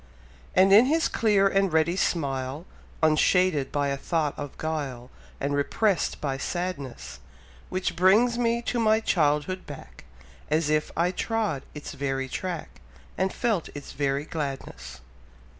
And in his clear and ready smile, Unshaded by a thought of guile And unrepress'd by sadness, Which brings me to my childhood back, As if I trod its very track, And felt its very gladness.